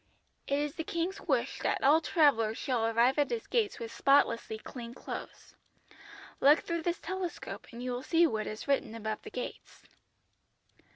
"'It is the King's wish that all travellers shall arrive at His gates with spotlessly clean clothes. Look through this telescope and you will see what is written above the gates.'